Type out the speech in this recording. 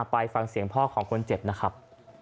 ไปฟังเสียงพ่อของคนเจ็บนะครับ